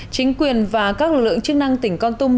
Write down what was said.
chính quyền và các lực lượng chức năng tỉnh con tum